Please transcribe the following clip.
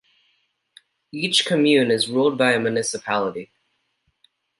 Each commune is ruled by a municipality.